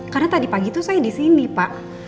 karena tadi pagi tuh saya disini pak